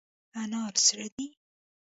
انار سره دي.